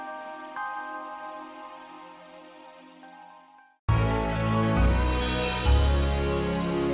mas tuh makannya